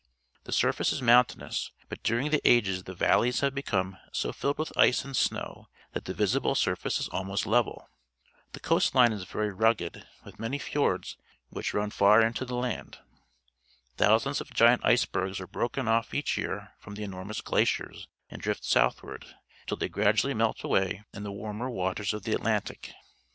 A Walrus The surface is mountainous, but during the ages the valleys have become so filled with ice and snow that the \dsible surface is almost level. The coast line is verj' rugged, ^dth many fiords which nm far into the land. Thousands of giant icebergs are broken off each year from the enormous glaciers and drift southward, until they gradually melt away in the warmer waters of the Atlantic.